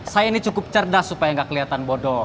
saya ini cukup cerdas supaya gak keliatan bodoh